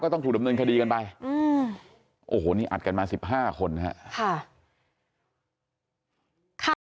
ก็ต้องถูกดำเนินคดีกันไปอืมโอ้โหนี่อัดกันมาสิบห้าคนฮะค่ะ